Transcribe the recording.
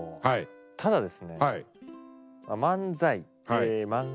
ただですね